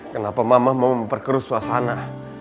kenapa mama memperkerus suasana